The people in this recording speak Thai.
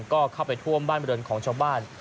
ก็เข้าไปท่วมบ้านบริเวณของชาวบ้าน